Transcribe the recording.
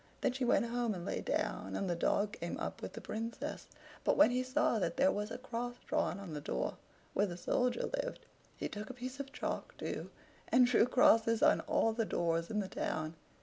Then she went home and lay down, and the dog came up with the Princess; but when he saw that there was a cross drawn on the door where the Soldier lived, he took a piece of chalk too, and drew crosses on all the doors in the town.